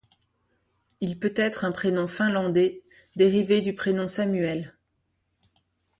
Il peut être un prénom finlandais, dérivé du prénom Samuel.